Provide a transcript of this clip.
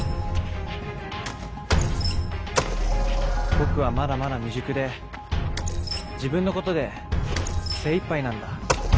僕はまだまだ未熟で自分のことで精一杯なんだ。